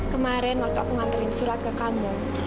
kemarin waktu aku nganterin surat ke kamu